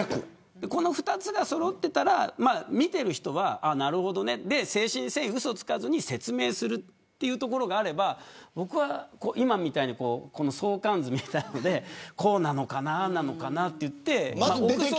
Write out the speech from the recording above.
この２つがそろっていたら見てる人は、なるほどね誠心誠意うそつかずに説明するというところがあれば僕は今みたいに相関図みたいなのでこうなのかなああなのかなといって臆測で。